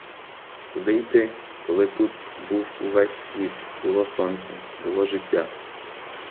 Куди йти, коли тут був увесь світ, було сонце, було життя?